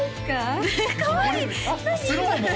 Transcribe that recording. かわいい！